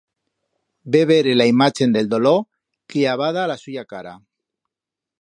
Ve vere la imachen d'el dolor cllavada a la suya cara.